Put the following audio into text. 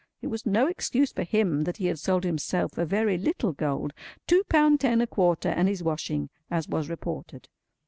It was no excuse for him that he had sold himself for very little gold—two pound ten a quarter and his washing, as was reported.